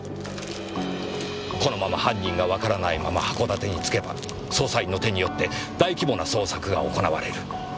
このまま犯人がわからないまま函館に着けば捜査員の手によって大規模な捜索が行われる。